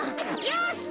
よし！